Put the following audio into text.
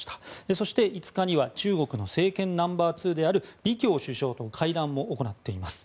そして５日には中国の政権ナンバー２である李強首相と会談を行っています。